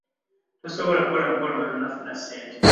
Tosobola ku kola mukolo nga tonafuna ssente.